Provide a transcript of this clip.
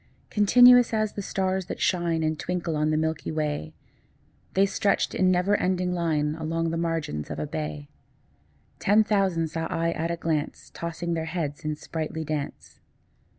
Continuous as the stars that shine And twinkle on the milky way, They stretched in never ending line Along the margin of a bay: 10 Ten thousand saw I at a glance, Tossing their heads in sprightly dance.